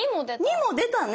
２も出たね。